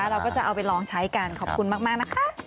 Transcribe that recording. เราก็จะเอาไปลองใช้กันขอบคุณมากนะคะ